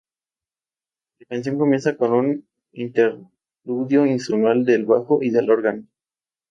La canción comienza con un interludio inusual del bajo y del órgano.